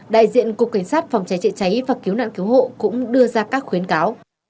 đại diện cục cảnh sát phòng cháy chạy cháy và cứu nạn cứu hộ cũng đưa ra các khó khăn